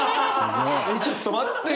ちょっと待ってよ